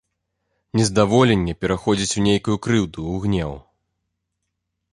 Нездаволенне пераходзіць у нейкую крыўду, у гнеў.